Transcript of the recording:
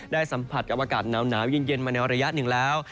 ได้สัมผัสกับอากาศหนาวยิ่งมาแนวระยะหนึ่งแล้ว